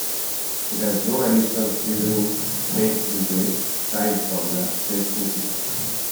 It has no additional seasonings baked into it, aside from the sesame seeds.